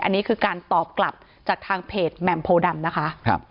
อันนี้คือการตอบกลับจากทางเพจแหม่มโพดำนะคะ